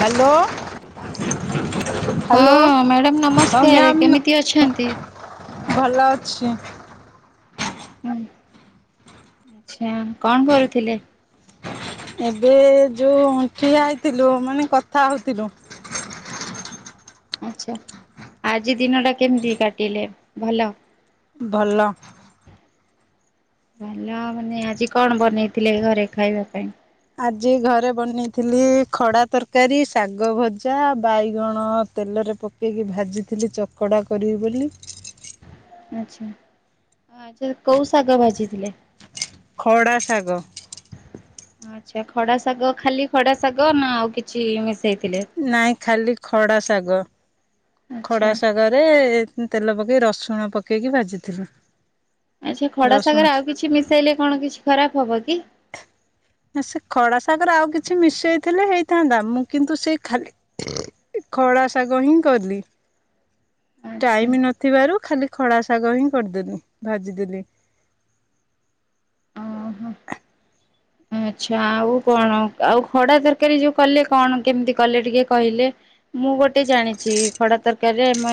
Hello. ହଁ hello madam ହଁ ନମସ୍କାର ମ୍ୟାମ୍ କେମିତି ଅଛନ୍ତି? ଭଲ ଅଛି। ଆଛା କଣ କରୁଥିଲେ? ଏବେ ଯୋଉଠିଆ ହେଇଥିଲୁ ମାନେ କଥା ହଉଥିଲୁ। ଆଛା ଆଜି ଦିନଟା କେମିତି କାଟିଲେ ଭଲ? ଭଲ। ଭଲ ମାନେ ଆଜି କଣ ବନେଇଥିଲେ ଘରେ ଖାଇବା ପାଇଁ? ଆଜି ଘରେ ବନେଇଥିଲି ଖଡ଼ା ତରକାରୀ, ଶାଗ ଭଜା, ବାଇଗଣ ତେଲରେ ପ କେଇକି ଭାଜିଥିଲି ଚକଡ଼ା କରିବି ବୋଲି। ଆ୍ଛା ଆଛା କୋଉ ଶାଗ ଭାଜିଥିଲେ? ଖଡ଼ା ଶାଗ। ଆ୍ଛଛା ଖଡା ଶାଗ ଖାଲି ଖଡା ଶାଗ ନା ଆଉ କିଛି ମିଶେଇଥିଲେ? ନାଇଁ ଖାଲି ଖଡ଼ା ଶାଗ। ଖଡା ଆଚ୍ଛା ଶାଗରେ ତେଲ ପକେଇ ରସୁଣ ପକେଇକି ଭାଜିଥିଲି। ଆଚ୍ଛା ଖଡା ରସୁଣ ସାଗରେ ଛ ଆଉ କିଛି ମିଶାଇଲେ କଣ କିଛି ଖରାପ ହବ କି? ନା ସେ ଖଡା ଶାଗରେ ଆଉ କିଛି ମିସେଇଥିଲେ ହେଇଥାନ୍ତା ମୁଁ କିନ୍ତୁ ସେ ଖାଲି ଖଡ଼ା ଶାଗ ହିଁ କଲି। ଆଚ୍ଛା ଟାଇମ ନଥିବାରୁ ଖାଲି ଖଡ଼ା ଶାଗ ହିଁ କରିଦେଲି, ଭାଜିଦେଲି। ହଁ ହଁ ଆଚଛା ଆଉ କଣ ଆଉ ଖଡା ତରକାରୀ ଯୋଉ କଲେ କଣ କେମିତି କଲେ ଟିକେ କହିଲେ? ମୁଁ ଗୋଟେ ଜାଣିଛି ଖଡା ତରକାରୀରେ ଆମେ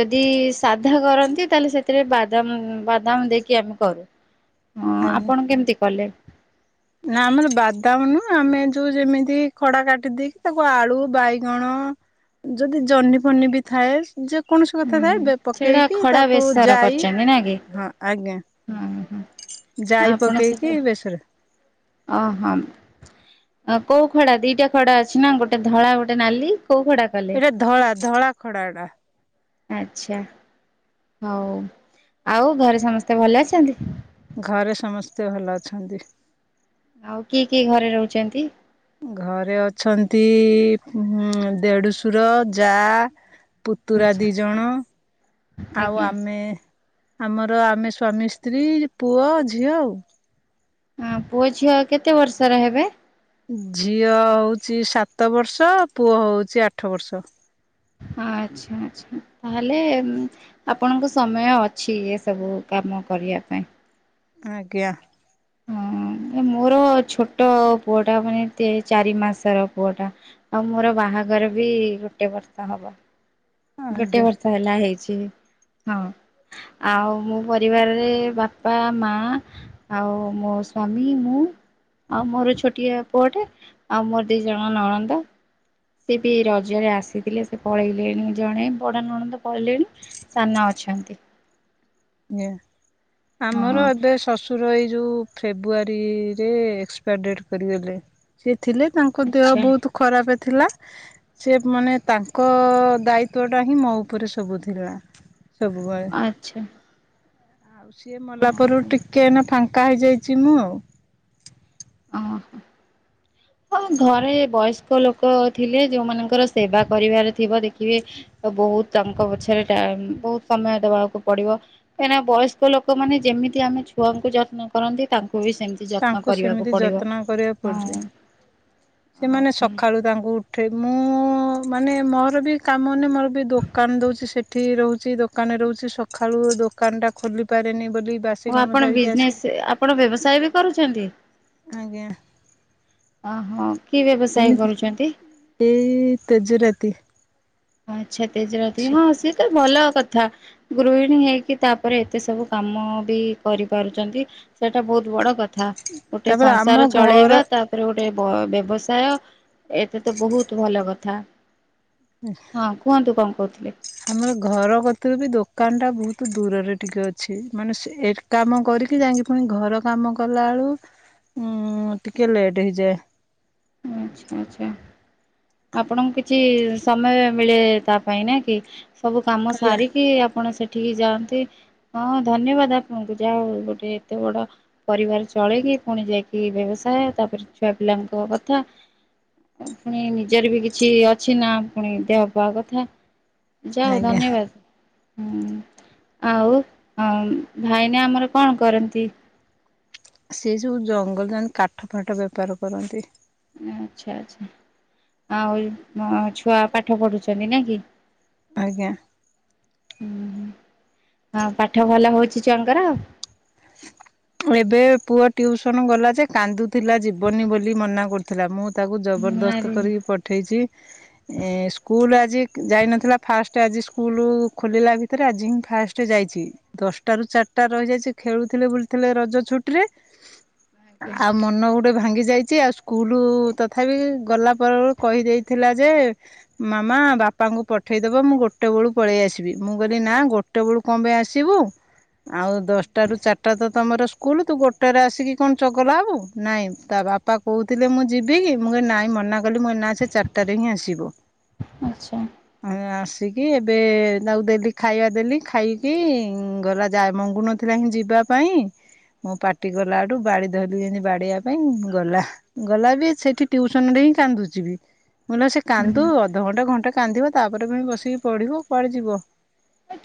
ଯଦି ସାଧା କରନ୍ତି ତାହେଲେ ସେଥିରେ ବାଦାମ ବାଦାମ ଦେଇକି ଆମେ କରୁ। ହଁ ଆଜ୍ଞା। ଆପଣ କେମିତି କଲେ? ନା ଆମର ବାଦାମ ନୁହଁ ଆମେ ଯୋଉ ଯେମିତି ଖଡା କାଟି ଦେଇେଇକି ତାକୁ ଆଳୁ ବାଇଗଣ ଯଦି ଜହ୍ନି ଫନି ବି ଥାଏ ଯେକୌଣସି ହୁଁ କଥା ହୁଁ ଥାଏ ସେଇଟା ପକେଇକି ଖଡା ତାକୁ ବେସର ଯାଇ କରିଛନ୍ତି ନା କି? ହଁ ଆଜ୍ଞା ହୁଁ ହୁଁ ଯାଇ ପକେଇକି ବେଶରେ ଅ ହମ୍ ଅ କୋଉ ଖଡା ଦିଟା ଖଡା ଅଛି ନା ଗୋଟେ ଧଳା ଗୋଟେ ନାଲି କୋଉ ଖଡା? କଲେ? ଏଇଟା ଧଳା-ଧଳା ଖଡା ଟା। ଆଚ୍ଛା, ହଉ ଆଉ ଘରେ ସମସ୍ତେ ଭଲ ଅଛନ୍ତି? ଘରେ ସମସ୍ତେ ଭଲ ଅଛନ୍ତି। ଆଉ କିଏ କିଏ ଘରେ ରହୁଛନ୍ତି? ଘରେ ଅଛନ୍ତି ଦେଢୁସୁର, ଯା ପୁତୁରା ଆଚ୍ଛା ଦି ଜଣ ଆଉ ଆଜ୍ଞା ଆମେ ଆମର ଆମେ ସ୍ଵାମୀ ସ୍ତ୍ରୀ ପୁଅ ଝିଅ ଆଉ। ହଁ ପୁଅ ଝିଅ କେତେ ବର୍ଷର ହେବେ? ଝିଅ ହଉଛି ସାତ ବର୍ଷ ପୁଅ ହଉଛି ଆଠ ବର୍ଷ। ଆଚ୍ଛା-ଆଚ୍ଛା ତାହେଲେ ଆପଣଙ୍କ ସମୟ ଅଛି ଏ ସବୁ କାମ କରିବା ପାଇଁ। ଆଜ୍ଞା। ହଁ ଏ ମୋର ଛୋଟ ପୁଅ ଟା ମାନେ ତିନି ଚାରି ମାସର ପୁଅ ଟା। ଆଉ ମୋର ବାହାଘର ବି ଗୋଟେ ବର୍ଷ ହବ। ଗୋଟେ ଆଜ୍ଞା ବର୍ଷ ହେଲା ହେଇଛି ହଁ। ଆଉ ମୋ ପରିବାରରେ ବାପା, ମା ଆଉ ମୋ ସ୍ଵାମୀ ମୁଁ ଆଉ ମୋର ଛୋଟିଆ ପୁଅଟେ ଆଉ ମୋର ଦି ଜଣ ନଣନ୍ଦ। ସେ ବି ରଜରେ ଆସିଥିଲେ ସେ ପଳେଇଲେଣି ଜଣେ ବଡ଼ ନଣନ୍ଦ ପଳେଇଲେଣି। ସାନ ଅଛନ୍ତି। ଆଜ୍ଞା ହଁ ଆମର ଏବେ ଶସୁ ର ଏ ଯୋଉ ଫେବୃଆରୀରେ ଏକ୍ସପାର ଡେଟ କରିଗଲେ। ସେ ଥିଲେ ତାଙ୍କ ଦେହ ଆଚ୍ଛା ବହୁତ ଖରାପ ଥିଲା। ସେ ମାନେ ତାଙ୍କ ଦାୟିତ୍ଵ ଟା ହିଁ ମୋ ଉପରେ ସବୁ ଥିଲା ସବୁବେଳେ। ଆଚ୍ଛା। ସିଏ ମଲାପରୁ ଓହୋ। ଟିକେ ଏଇନା ଫାଙ୍କା ହେଇଯାଇଛି ମୁଁ ଆଉ। ଓହୋ। ହଁ ଘରେ ବୟସ୍କ ଲୋକ ଥିଲେ ଯୋଉମାନଙ୍କର ସେବା କରିବାର ଥିବ ଦେଖିବେ ତ ବହୁତ ତାଙ୍କ ପଛରେ ଟାଇମ୍ ବହୁତ ସମୟ ଦେବାକୁ ପଡିବ। ଏଇନା ବୟସ୍କ ଲୋକମାନେ ଯେମିତି ଆମେ ଛୁଆଙ୍କୁ ଯତ୍ନ କରନ୍ତି ତାଙ୍କୁ ବି ସେମିତି ଯତ୍ନ ତାଙ୍କୁ କରିବାକୁ ସେମିତି ପଡ଼ିବ। ଯତ୍ନ କରିବା କୁ ପଡୁଛି ହଁ ଆଉ ସେମାନେ କଣ? ସକାଳୁ ତାଙ୍କୁ ଉଠେ ମୁଁ ମାନେ ମୋର ବି କାମ ନେ ମୋର ବି ଦୋକାନ ଦଉଛି ସେଠି ରହୁଛି ଦୋ ଦୋକାନରେ ରହୁଛି ସକାଳୁ ଦୋକାନ ଟା ଖୋଲି ପାରେନି ବୋଲି ବା ଓହୋ ଆପଣ ବିଜନେସ ଆପଣ ବ୍ୟବସାୟ ବି କରୁଛନ୍ତି? ଆଜ୍ଞା। ଅହୋ କି ବ୍ୟବସାୟ ଏମିତି କରୁଛନ୍ତି? ଏଇ ତେଜରାତି। ଆଚ୍ଛା ତେଜରାତି ହଁ ସିଏ ତ ଭଲ କଥା। ଗୃହିଣୀ ହେଇକି ତାପରେ ଏତେ ସବୁ କାମ ବି କରିପାରୁଚନ୍ତି। ସେଇଟା ବହୁତ ବଡ କଥା ଗୋଟେ ତାପରେ ଆମ ସଂସାର ଘର ଚଳେଇବା ତା ତାପରେ ଗୋଟେ ବ-ବ୍ୟବସାୟ ଏଥିରେ ତ ବହୁତ ଭଲ କଥା। ଉଁ ହୁଁ। ହଁ କୁହନ୍ତୁ କଣ କହୁଥିଲେ? ଆମର ଘର କତରୁ ବି ଦୋକାନ ଟା ବହୁତ ଦୂରରେ ଟିକେ ଅଛି ମାନେ ସେ କାମ କରିକି ଯାଇକି ପୁଣି ଘର କାମ କଲାବେଳକୁ ଉଁ ଟିକେ ଲେଟ୍ ହେଇଯାଏ। ଆଚ୍ଛା-ଆଚ୍ଛା। ଆପଣଙ୍କୁ କିଛି ସମୟ ମିଳେ ତା ପାଇଁ ନାଇ କି? ସବୁ କାମ ଆଜ୍ଞା ସାରିକି ଆପଣ ସେଠିକି ଯାଆନ୍ତି। ହଁ ଧନ୍ୟବାଦ ଆପଣଙ୍କୁ ଯାହା ହଉ ଗୋଟେ ଏତେ ବଡ ପରିବାର ଚଳେଇକି ପୁଣି ଯାଇକି ବ୍ୟବସାୟ ତାପରେ ଛୁଆ ପିଲାଙ୍କ କଥା। ପୁଣି ନିଜର ବି କିଛି ଅଛି ନା ପୁଣି ଦେହ ପାହ କଥା। ଯା ହଉ ଆଜ୍ଞା ଧନ୍ୟବାଦ। ହୁଁ ଆଉ ଆଁ ଭାଇନା ଆମର କଣ କରନ୍ତି? ସେ ଯୋଉ ଜଙ୍ଗଲ ଯାଆନ୍ତି କାଠ ଫାଠ ବେପାର କରନ୍ତି। ଆଚ୍ଛା ଆଚ୍ଛା ଆଉ ଅ ଛୁଆ ପାଠ ପଢୁଚନ୍ତି ନା କି? ଆଜ୍ଞା। ଉ ହୁଁ ଆଉ ପାଠ ଭଲ ହଉଚି ଛୁଆଙ୍କର? ଅ ଏବେ ପୁଅ ଟିଉସନ ଗଲା ଯେ କାନ୍ଦୁଥିଲା ଜୀବନି ବୋଲି ମନା କରୁ ଥିଲା। ମୁଁ ତାକୁ ଆରେ ଜବରଦସ୍ତ କରିକି ପଠେଇଚି। ଏ ସ୍କୁଲ ଆଜି ଯାଇନଥିଲା ଫାଷ୍ଟ ଆଜି ସ୍କୁଲ ଖୋଲିଲା। ଏଥିରେ ଆଜି ହି ଫାଷ୍ଟ ଯାଇଚି। ଦଶଟା ରୁ ଚାରିଟା ରହିଯାଇଚି। ଖେଳୁଥିଲେ ବୁଲ ଥିଲେ ରଜ ଛୁଟିରେ ଆଉ ମନ ଗୋଟେ ଭାଙ୍ଗି ଯାଇ ଚି ଆଉ ସ୍କୁଲ ତଥାପି ଗଲା ପରେ କହିଦେଇଥିଲା ଯେ ମାମା ବାପାଙ୍କୁ ପଠେଇଦବ ମୁଁ ଗୋଟେ ବଳୁ ପଳେଇ ଆସିବି ମୁଁ କହଲିି ନା ଗୋ ଟେ ବେଳୁ କଣ ପାଇଁ ଆସିବୁ, ଆଉ ଦଶଟ ର ଚାରିଟା ତ ତମର ସ୍କୁଲ ତୁ ଗୋଟେରେ ଆସିକି କଣ ଚଗଲା ହବୁ ନାଇଁ ତା ବାପା କହୁଥିଲେ ମୁଁ ଯିବି, ମୁଁ କଇଲି ନାଇଁ ମନା କଲି ମୋ ଏ ନା ସେ ଚାରିଟାରେ ହିଁ ଆସିବ। ଆଚ୍ଛା। ଆସିକି ଏବେ ତାକୁ ଦେଲି ଖାଇବା ଦେଲି ଖାଇକି ଗଲା ଯା ଏ ମଙ୍ଗୁନୁ ଥିଲା ହିଁ ଯିବା ପାଇଁ। ମୁ ପାଟି କଲାଠୁ ବାଡ଼ି ଧରିଲି ଯେମତି ବାଡ଼ିବା ପାଇଁ ଗଲା। ଗଲା ବି ସେଇଠି ଟ୍ୟୁସନ ରେ ବି କାନ୍ଦୁଚି ବି। ମୁଁ କହିଲି ସେ କାନ୍ଦୁ ଅଧଘଣ୍ଟା ଘଣ୍ଟା କାନ୍ଦିବ। ତାପରେ ପୁଣି ବସିକି ପଢିବ କୁଆଡେ ଯିବ।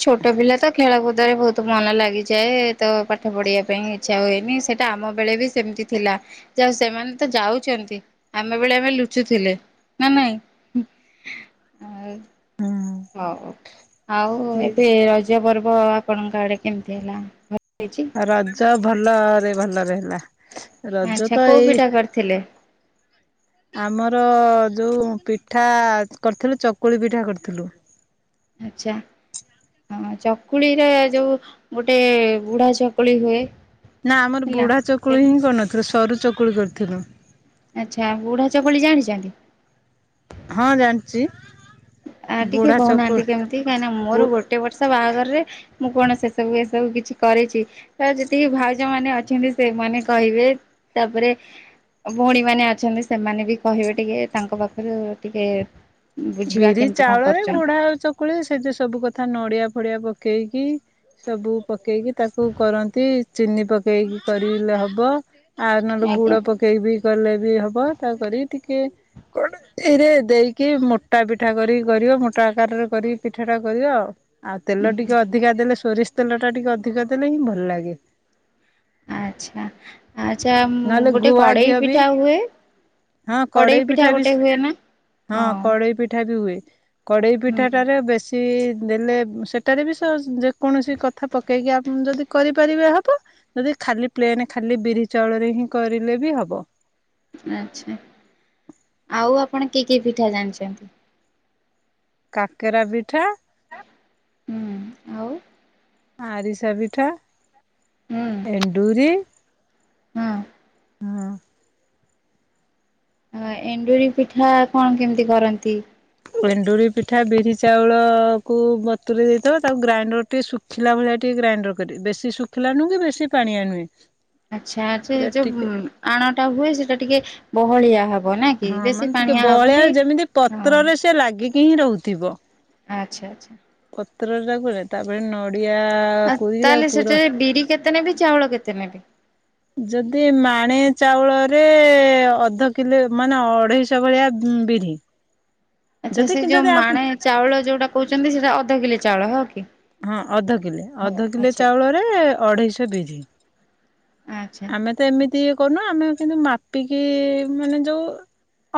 ଛୋଟ ପିଲା ତ ଖେଳକୁଦରେ ବହୁତ ମନ ଲାଗିଯାଏ ତ ପାଠ ପଢିବା ପାଇଁ ଇଚ୍ଛା ହୁଏ ନି ସେଇଟା ଆମ ବେଳେ ବି ସେମିତି ଥିଲା। ଯା ହେଉ ସେମାନେ ତ ଯାଉଚନ୍ତି ଆମେ ବେଳେ ଆମେ ଲୁଚୁଥିଲେ ନା ନାଇଁ। ଆଉ ହଉ ହୁଁ ଏବେ ର ପୂଜ ପର୍ବ ଆପଣଙ୍କ ଆଡ଼େ କେମିତି ହେଲା ଭଲ ହେଇଚି? ରଜ ଭଲରେ ଭଲରେ ହେଲା। ରଜ ଆଚ୍ଛା ତ କୋଉ ଏଇ ପିଠା କରିଥିଲେ? ଆମର ଯଉଁ ପିଠା କରିଥିଲୁ ଚକୁଳି ପିଠା କରିଥିଲୁ। ଆଚ୍ଛା। ହଁ ଚକୁଳିର ଯୋଉ ଗୋଟେ ବୁଢା ଚକୁଳି ହୁଏ। ନା ଆମର ହେଲା। ବୁଢା ଚକୁଳି ହିଁ କରିନଥିଲୁ। ସରୁ ଚକୁଳି କରିଥିଲୁ। ଆଚ୍ଛା ବୁଢ଼ା ଚପଳି ଜାଣିଚନ୍ତି? ହଁ ଜାଣିଚି। ଆ ଟିକେ ବୁଢା କହୁନାହାନ୍ତି ଚକୁଳି କେମିତି? କାହିଁକି ନା ମୋର ବୁ ଗୋଟେ ବର୍ଷ ବାହାଘରରେ ମୁଁ କଣ ସେ ସବୁ ଏ ସବୁ କିଛି କରିଚି। ତ ଯେତିକି ଭାଉଜ ମାନେ ଅଛନ୍ତି ସେମାନେ କହିବେ। ତାପରେ ଭଉଣୀମାନେ ଅଛନ୍ତି ସେମାନେ ବି କହିବେ ଟିକେ ତାଙ୍କ ପାଖରୁ ଟିକେ ବୁଝିବା କେମିତି କଣ ଚାଉଳ ରେ କରୁଛନ୍ତି ବୁଢା ଆଉ ଚକୁଳି ସେଠି ସବୁ କଥା ନଡିଆ ଫଡିଆ ପକେଇକି ସବୁ ପକେଇକି ତାକୁ କରନ୍ତି। ଚିନି ପକେଇକି କରି ଲେ ହବ। ଆଉ ନହେଲେ ଗୁଡ଼ ଆଜ୍ଞା ପକେଇ କେଇ ବି କଲେ ବି ହବ ତା କରି ଟିକେ କରେ ଦେଇକି ମୋ ମୋଟା ପିଠା କରି କରିବ ମୋଟା ଆକାରରେ କରିକି ପିଠାଟା କରିବ ଆଉ ତେଲ ଟିକେ ଅକା ଧିକା ଦେଲେ ସୋରିଷ ତେଲ ଟା ଟିକେ ଅଧିକ ଦେଲେ ହିଁ ଭଲ ଲାଗେ। ଆଚ୍ଛା ଆଚଛା ନହେଲେ ଗୋଟେ ଗୁଆ କଡ଼େଇ ଘିଅ ବି ପିଠା ହୁଏ। କଡେଇ ପିଠା ଗୋଟେ ହୁଏ ନା ହଁ। ପିଠା ବି ହୁଏ କଡେଇ ହୁଁ ପିଠାଟାରେ ବେଶ ଇ ଦେଲେ ସେଠାରେ ବି ସେ ଯେକୌଣସି କଥା ପକେଇକି ଆପଣ ଯଦି କରିପାରିବେ ହବ। ଯଦି ଖାଲି ପ୍ଲେନ ଖାଲି ବିରି ଚାଉଳରେ ହିଁ କରିଲେ ବି ହବ। ଆଛା ଆଉ ଆପଣ କି କି ପିଠା ଜାଣିଚନ୍ତି? କାକେରା ପିଠା। ହୁଁ ଆଉ? ଆରିସା ପିଠା, ହୁଁ ଏଣ୍ଡୁରି ହଁ। ଅ ଏଣ୍ଡୁରି ପିଠା କଣ କେମିତି କରନ୍ତି? ଏଣ୍ଡୁରି ପିଠା ବିରି ଚାଉଳକୁ ବତୁୁରେଇ ଦେଇଥବା ତାକୁ ଗ୍ରାଇଣ୍ଡର୍ ଟିକେ ଶୁ ଶଖିଲା ଭଳିଆ ଟିକେ ଗ୍ରାଇଣ୍ଡର୍ କରି ବେଶୀ ଶୁଖିଲା ନୁହେଁ କି ବେଶୀ ପାଣିଆ ନୁହେଁ। ଆଚ୍ଛା ଆଚ୍ଛା ଏ ସେଟା ଯୋଉ ଟିକେ ଆଣଟା ହୁଏ ସେଟା ଟିକେ ବହଳିଆ ହବ ନାଁ? ହଁ ମାନେ ଟିକେ ବଅଳିଆ ଯେମିତି ହଁ ପତ୍ରରେ ସେ ଲାଗିକି ହିଁ ରହୁଥିବ। ଆଚ୍ଛା ଆଚ୍ଛା। ପତ୍ର ଯା କୁରା ତାପରେ ନଡ଼ିଆ ଆ କୋରିକି ତାହେଲେ ତାକୁ ପୁର ସେଠାରେ ବିରି କେ ତେ ନେବି ଚାଉଳ କେତେ ନେବି? ଯଦି ମାଣେ ଚାଉଳରେ ଅଧ କିଲେ ମାନେ ଅଢ଼େଇଶ ଭଳିଆ ବିରି। ଆଚ୍ଛା ଯଦି ସେ ଯୋଉ ଯଦି ମାଣେ ଚାଉଳ ଯୋଉଟା କୋହୁଚନ୍ତି ସେଟା ଅଧ କିଲେ ଚାଉଳ, ହ କି? ହଁ ଅଧ କିଲେ ହଉ ଅଧ କିଲେ ଆଚ୍ଛା ଚାଉଳରେ ଅଢ଼େଇଶ ବିରି। ଆଚ୍ଛା। ଆମେ ତ ଏମିତି କରୁନୁ ଆମେ କିନ୍ତୁ ମାପିକି ମାନେ ଯୋଉ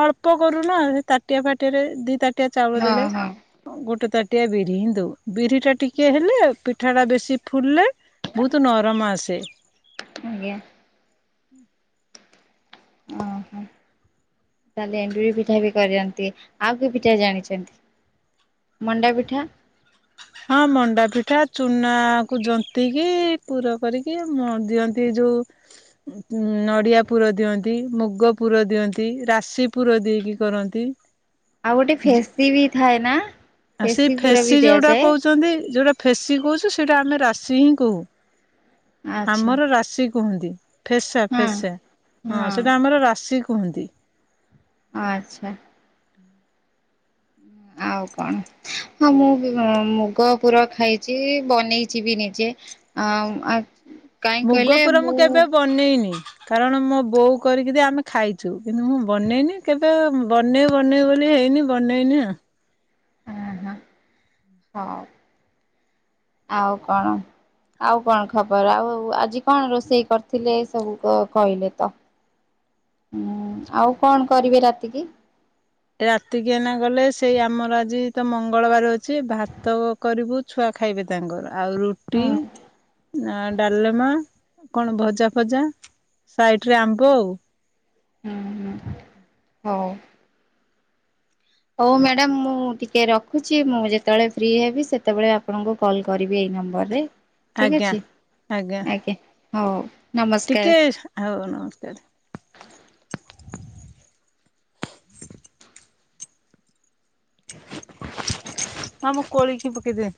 ଅଳ୍ପ କରୁ ନା ସେ ତାଟିଆ ଫାଟିଆରେ ଦି ତାଟିଆ ଚାଉଳ ହଁ ଦେଲେ। ହଁ ଅଁ ଗୋଟେ ତାଟିଆ ବିରି ହିଁ ଦଉ ବିରିଟା ଟିକେ ହେଲେ ପିଠାଟା ବେଶୀ ଫୁଲେ ବୋହୁତୁ ନରମ ଆସେ। ଆଜ୍ଞା। ଉଁ। ଅହଁ। ତାହେଲେ ଏଣ୍ଡୁରି ପିଠା ବି କରିଅନ୍ତି। ଆଉ କି ପିଠା ଜାଣିଚନ୍ତି? ମଣ୍ଡା ପିଠା? ହଁ ମଣ୍ଡା ପିଠା ଚୁନାକୁ ଜନ୍ତିକି ପୁର କରିକି ମ ଦିଅନ୍ତି ଯୋଉ ଉଁ ନଡ଼ିଆ ପୁର ଦିଅନ୍ତି ମୁଗ ପୁର ଦିଅନ୍ତି ରାଶି ପୁର ଦେଇକି କରନ୍ତି। ଆଉ ଗୋଟେ ଫେସି ବି ଥାଏ ନାଁ? ଆ ସେଇ ଫେସି ଯୋଉଟା କୋହୁଚନ୍ତି ଯୋଉଟା ଫେସି କୋହୁଚୁ ସେଇଟା ଆମେ ରାଶି ହିଁ କୋହୁ। ଆଚ୍ଛା ଆମର ରାଶି କୁହନ୍ତି। ଫେସା ହଁ ଫେସା ହଁ ସେଇଟା ଆମର ରାଶି କୁହନ୍ତି। ଆଚ୍ଛା। ଆଉ କଣ? ହଁ ମୁଁ ବି ବ ମୁଗ ପୁର ଖାଇଚି ବନେଇଚି ବି ନିଜେ। ଆଉଁ ଆ ମୁଗପୁର ମୁଁ କେବେ ବନେଇନି। କାରଣ ମୋ ବୋଉ କରିକି ଦିଏ ଆମେ ଖାଇଚୁ କିନ୍ତୁ ମୁଁ ବନେଇନି କେବେ ବନେଇ ବନେଇ ବୋଲି ହେଇନି। ବନେଇନି ଆ। ଅହଁ ହଉ ଆଉ କଣ? ଆଉ କଣ ଖବର ଆଉ ଆଜି କଣ ରୋଷେଇ କରିଥିଲେ ସବୁ କ କହିଲେ ତ। ମୁଁ ଆଉ କଣ କରିବେ ରାତିକି? ରାତି କିି ଏନା ଗଲେ ସେଇ ଆମର ଆଜି ତ ମଙ୍ଗଳବାର ଅଛି ଭାତ କରିବୁ ଛୁଆ ଖାଇବେ ତାଙ୍କର ଆଉ ରୁଟି ହୁଁ ନାଁ ଡାଲେମା କଣ ଭଜା ଫଜା ସାଇଟ୍ ରେ ଆମ୍ବ ଆଉ। ହଁ ହଁ ହଉ। ହଉ ମ୍ୟାଡ଼ାମ୍ ମୁଁ ଟିକେ ରଖୁଚି ମୁଁ ଯେତୋଳେ ଫ୍ରି ହେବି ସେତବେଳେ ଆପଣଙ୍କୁ କଲ୍ କରିବି ଏଇ ନମ୍ବର୍ ରେ ଠିକ୍ ଆଜ୍ଞା ଅଛି ଆଜ୍ଞା ହଉ। ନମସ୍କାର। ଟିକେ ଆଉ ନମସ୍କାର। ହଁ ମୋ କୋଳିକି ପକେଇଦିଏ।